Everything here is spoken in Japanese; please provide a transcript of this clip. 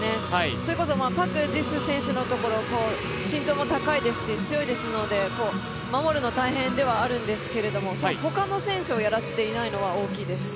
それこそパク・ジス選手のところ身長も高いですし強いですので守るの大変ではあるんですけど、ほかの選手をやらせていないのは大きいです。